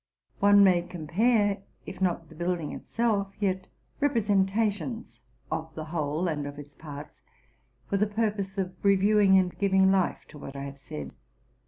One may compare, if not the building itself, yet representations of the whole and of its parts, for the purpose of reviewing and giving life to what I have said.